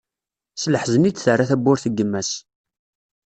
S leḥzen i d-terra tawwurt n yemma-s.